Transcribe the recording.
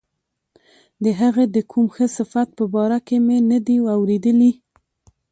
د هغه د کوم ښه صفت په باره کې مې نه دي اوریدلي.